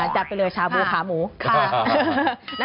จับไปเร็วชาวบู๋ขาหมูค่ะ